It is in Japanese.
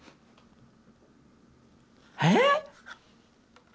えっ！？